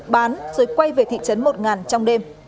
bán rồi quay về thị trấn một ngàn trong đêm